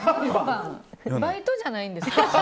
バイトじゃないんですよ。